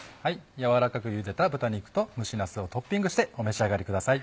軟らかくゆでた豚肉と蒸しなすをトッピングしてお召し上がりください。